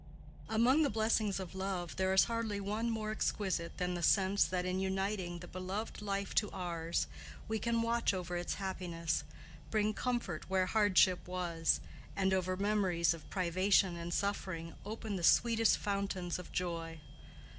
Among the blessings of love there is hardly one more exquisite than the sense that in uniting the beloved life to ours we can watch over its happiness, bring comfort where hardship was, and over memories of privation and suffering open the sweetest fountains of joy.